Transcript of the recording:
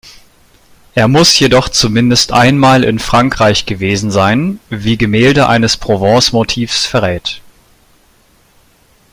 Er muss jedoch zumindest einmal in Frankreich gewesen sein, wie Gemälde eines Provence-Motivs verrät.